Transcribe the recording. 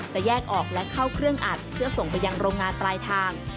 จะแยกออกและเข้าเครื่องอัดเพื่อส่งไปยังโรงงานปลายทาง